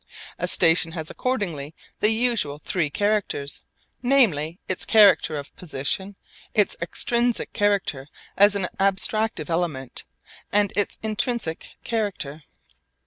A station has accordingly the usual three characters, namely, its character of position, its extrinsic character as an abstractive element, and its intrinsic character.